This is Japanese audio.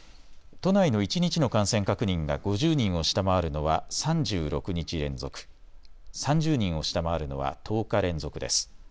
都内の一日の感染確認が５０人を下回るのは３６日連続、３０人を下回るのは１０日連続です。